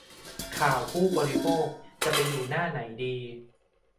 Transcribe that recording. ข่าวผู้บริโภค จะไปอยู่หน้าไหนดี ?